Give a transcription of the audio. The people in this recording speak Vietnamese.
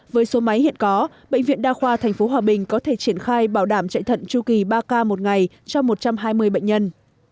với số máy hiện có bệnh viện đa khoa thành phố hòa bình có thể triển khai bảo đảm chạy thận tru kỳ ba k một ngày cho một trăm hai mươi bệnh nhân